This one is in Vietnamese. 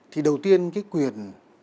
thì đầu tiên cái quyền